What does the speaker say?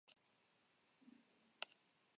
Zalantza nagusia aurrelari-postuan dago.